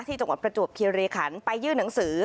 ที่จังหวัดประจวบเครียร์เลขันไปยื่นหนังสือ